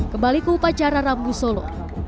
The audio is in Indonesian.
kembali ke upacara rambu solo